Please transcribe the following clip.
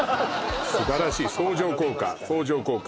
素晴らしい相乗効果相乗効果